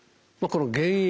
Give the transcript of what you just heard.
この原因。